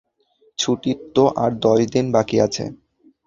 ছুটির তো আর দশ দিন বাকি আছে।